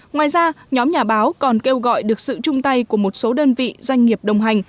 ngoài ra nhóm nhà báo còn kêu gọi được sự chung tay của một số đơn vị doanh nghiệp đồng hành